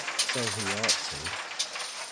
So he ought to.